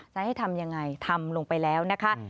จะให้ทำยังไงทำลงไปแล้วนะคะ